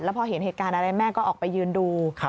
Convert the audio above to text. พอเห็นเหตุการณ์อะไรแม่ก็ออกไปยืนดู